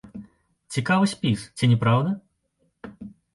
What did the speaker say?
Цікавы спіс, ці не праўда?